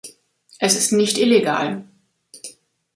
Es ist nicht illegal.